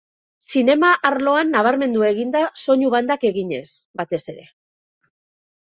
Zinema arloan nabarmendu egin da soinu bandak eginez, batez ere.